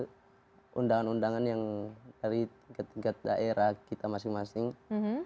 untuk menunggu undangan undangan yang dari ketiga daerah kita masing masing yang akan mengadakan peramu itu kak